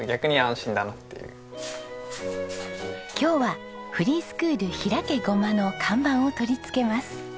今日はフリースクールひらけごま！の看板を取り付けます。